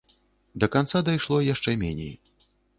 Да канца дайшло яшчэ меней.